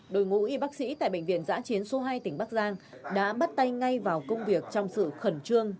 đội ngũ y bác sĩ tại bệnh viện giã chiến số hai tỉnh bắc giang đã bắt tay ngay vào công việc trong sự khẩn trương